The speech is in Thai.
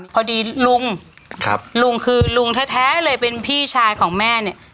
พอดีลุงลุงคือลุงแท้เลยเป็นพี่ชายของแม่เนี่ย